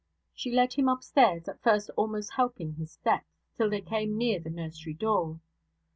She led him upstairs; at first almost helping his steps, till they came near the nursery door.